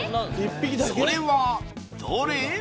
それはどれ？